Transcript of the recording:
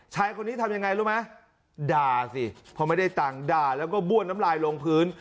ชายคนนี้ทำยังไงรู้ไหมด่าสิพอไม่ได้ตังค์ด่าแล้วก็บ้วนน้ำลายลงพื้น